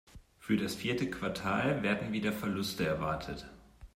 Für das vierte Quartal werden wieder Verluste erwartet.